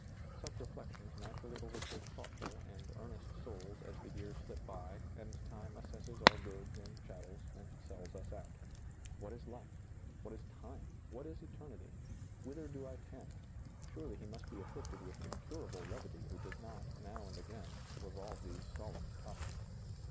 Such reflections naturally overtake thoughtful and earnest souls as the years slip by and time assesses our goods and chattels and sells us out What is life? What is time? What is eternity ? Whither do I tend ? Surely he must be afflicted with incurable levity who does not, now and again, revolve these solemn topics.